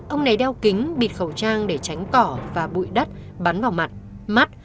ông này đeo kính bịt khẩu trang để tránh cỏ và bụi đất bắn vào mặt mắt